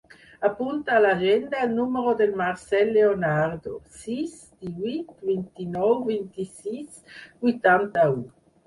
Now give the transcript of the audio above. Apunta a l'agenda el número del Marcèl Leonardo: sis, divuit, vint-i-nou, vint-i-sis, vuitanta-u.